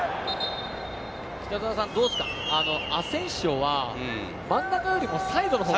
アセンシオは真ん中よりもサイドの方が？